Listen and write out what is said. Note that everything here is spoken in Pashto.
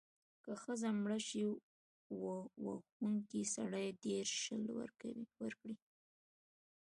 که ښځه مړه شي، وهونکی سړی دیرش شِکِل ورکړي.